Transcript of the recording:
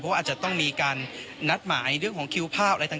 ว่าอาจจะต้องมีการนัดหมายเรื่องของคิวภาพอะไรต่าง